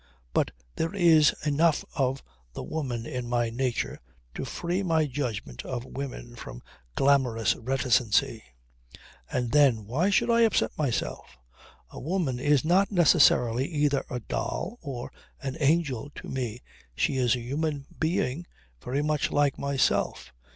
But there is enough of the woman in my nature to free my judgment of women from glamorous reticency. And then, why should I upset myself? A woman is not necessarily either a doll or an angel to me. She is a human being, very much like myself.